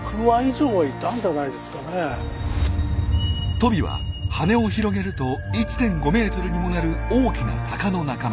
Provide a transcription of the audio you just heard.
トビは羽を広げると１．５メートルにもなる大きなタカの仲間。